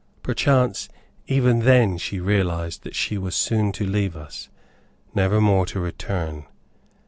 Perchance, even then she realized that she was soon to leave us, never more to return.